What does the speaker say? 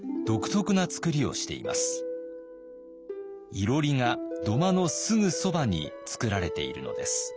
いろりが土間のすぐそばにつくられているのです。